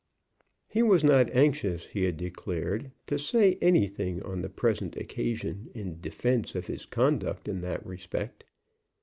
He was not anxious, he had declared, to say anything on the present occasion in defence of his conduct in that respect.